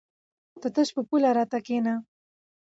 ته تش په پوله راته کېنه!